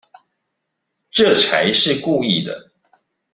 這才是故意的